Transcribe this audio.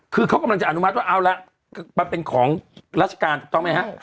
คือเขากำลังจะอนุมัติว่าเอาละมันเป็นของราชการถูกต้องไหมฮะ